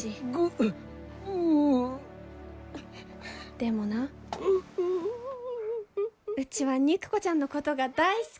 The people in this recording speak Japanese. でもなうちは肉子ちゃんのことが大好き。